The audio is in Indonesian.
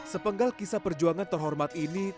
sepenggal kisah perjuangan terhormat ini